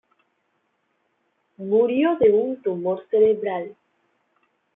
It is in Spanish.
Murió de un tumor cerebral.